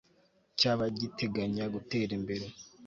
cy'abagiteganya gutera imbere